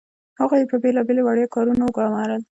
هغوی یې په بیلابیلو وړيا کارونو وګمارل.